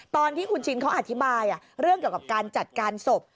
ตอนที่คุณชินเขาอธิบายเรื่องเกี่ยวกับการจัดการศพ